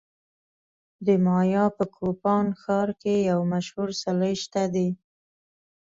د مایا په کوپان ښار کې یو مشهور څلی شته دی